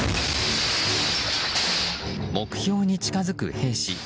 目標に近づく兵士。